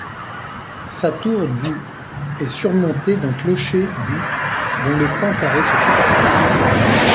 Sa tour du est surmontée d'un clocher du dont les pans carrés se superposent.